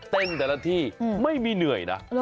แต่ละที่ไม่มีเหนื่อยนะ